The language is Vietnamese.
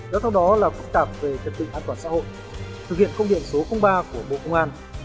giao thông đó là bắt tạm về thiệt định an toàn xã hội thực hiện công điện số ba của bộ công an